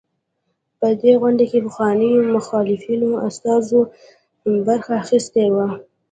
په دې غونډه کې پخوانيو مخالفینو استازو برخه اخیستې وه.